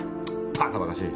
バカバカしい。